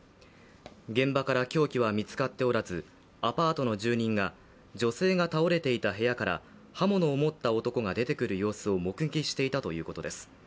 現場から凶器は見つかっておらずアパートの住人が女性が倒れていた部屋から刃物を持った男が出てくる様子を目撃していたということです。